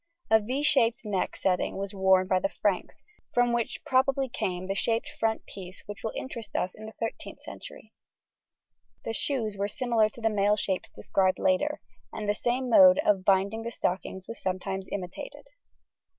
A =V= shaped neck setting was worn by the Franks, from which probably came the shaped front piece that will interest us in the 13th century. The shoes were similar to the male shapes described later, and the same mode of binding the stockings was sometimes imitated.